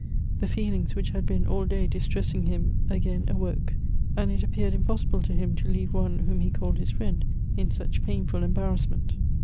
The feelings which had been all day distressing him again awoke, and it appeared impossible to him to leave one whom he called his friend in such painful embarrassment.